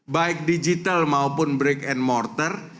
baik digital maupun break and morter